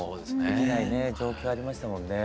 できないね状況ありましたもんね。